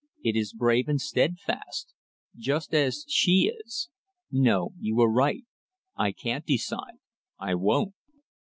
It is brave and steadfast just as she is; no, you were right, I can't decide I won't!"